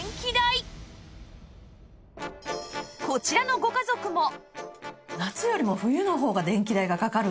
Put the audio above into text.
こちらのご家族も